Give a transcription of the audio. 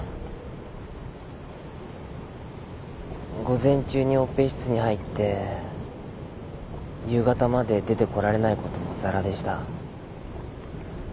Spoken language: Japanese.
午前中にオペ室に入って夕方まで出てこられないこともざらでした。